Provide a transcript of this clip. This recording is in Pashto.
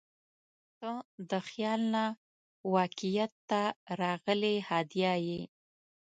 • ته د خیال نه واقعیت ته راغلې هدیه یې.